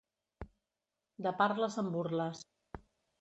De parles en burles.